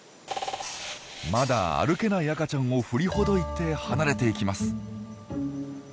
まだ歩けない赤ちゃんを振りほどいて離れていきます。